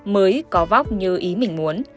mới có vóc như ý mình muốn